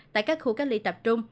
tại các khu cách ly tập trung